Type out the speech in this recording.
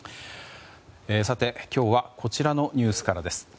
さて、今日はこちらのニュースからです。